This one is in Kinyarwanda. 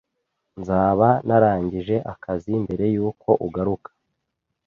Nzaba narangije akazi mbere yuko ugaruka